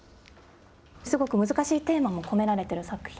すごく難しいテーマも込められている作品。